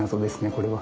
これは。